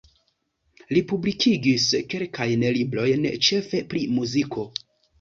Li publikigis kelkajn librojn ĉefe pri muziko.